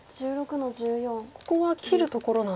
ここは切るところなんですね。